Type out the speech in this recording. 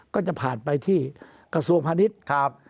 ก็จะผ่านไปที่กระทรวงพาณิชย์ครับ